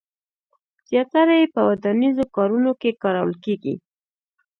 زیاتره یې په ودانیزو کارونو کې کارول کېږي.